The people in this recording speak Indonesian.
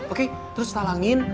oke terus talangin